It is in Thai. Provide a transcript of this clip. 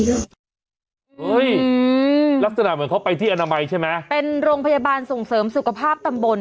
อืมลักษณะเหมือนเขาไปที่อนามัยใช่ไหมเป็นโรงพยาบาลส่งเสริมสุขภาพตำบล